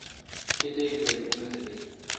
کیتک دیر اوں نتھ بیل۔